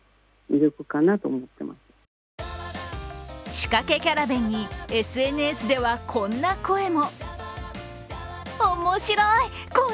仕掛けキャラ弁にＳＮＳではこんな声も。